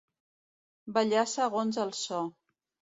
Ballar segons el so.